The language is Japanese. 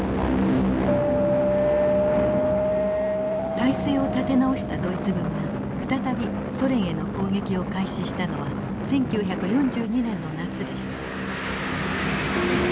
態勢を立て直したドイツ軍が再びソ連への攻撃を開始したのは１９４２年の夏でした。